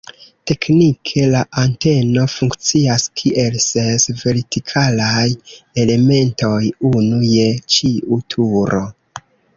Teknike la anteno funkcias kiel ses vertikalaj elementoj, unu je ĉiu turo.